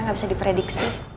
gak bisa diprediksi